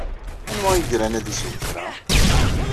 Anwa ay iran ad isew kra?